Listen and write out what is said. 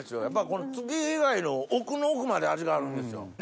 やっぱこの月日貝の奥の奥まで味があるんですよ。